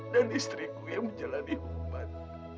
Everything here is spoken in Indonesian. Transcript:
dan istriku yang menjalani umat